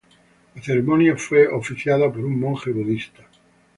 La ceremonia fue oficiada por un monje budista.